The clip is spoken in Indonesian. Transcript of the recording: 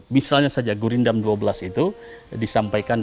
misalnya saja gurindam dua belas itu disampaikan